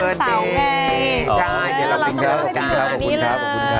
อ๋อมีวันเต๋าไงใช่เดี๋ยวเราต้องให้ดูขอบคุณครับขอบคุณครับขอบคุณครับ